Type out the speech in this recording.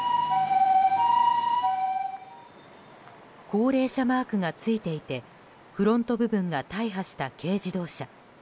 高齢者マークがついていてフロント部分が大破した軽自動車。